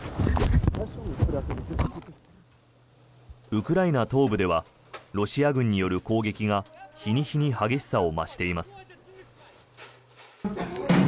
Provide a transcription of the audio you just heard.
ウクライナ東部ではロシア軍による攻撃が日に日に激しさを増しています。